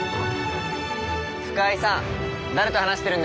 深井さん誰と話してるんですか？